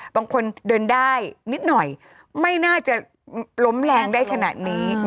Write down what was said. บางคนเดินได้นิดหน่อยไม่น่าจะล้มแรงได้ขนาดนี้